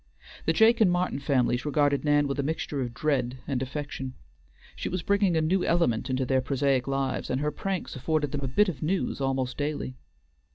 The Jake and Martin families regarded Nan with a mixture of dread and affection. She was bringing a new element into their prosaic lives, and her pranks afforded them a bit of news almost daily.